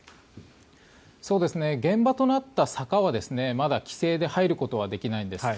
現場となった坂はまだ規制で入ることはできないんです。